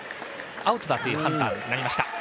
アウトだという判断になりました。